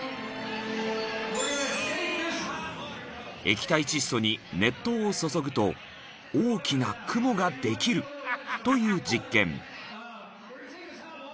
［液体窒素に熱湯を注ぐと大きな雲ができるという実験］